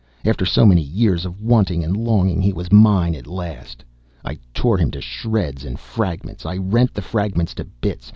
After so many years of waiting and longing, he was mine at last. I tore him to shreds and fragments. I rent the fragments to bits.